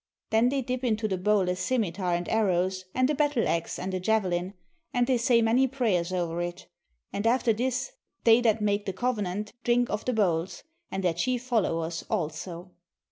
Then they dip into the bowl a scimi tar and arrows and a battle axe and a javelin, and they say many prayers over it; and after this they that make 19 RUSSIA the covenant drink of the bowls, and their chief followers also.